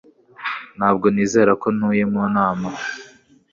Ntabwo nizera ko ntuye mu nama